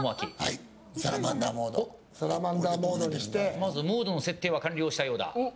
まずモードの設定は完了したようだ。